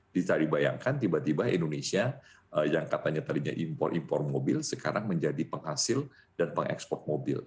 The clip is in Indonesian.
dicari bayangkan tiba tiba indonesia yang katanya tadinya impor impor mobil sekarang menjadi penghasil dan pengekspor mobil